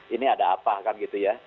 ini ada apa kan gitu ya